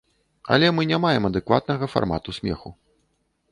Але мы не маем адэкватнага фармату смеху.